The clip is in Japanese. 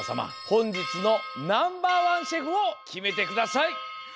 本日のナンバーワンシェフをきめてください。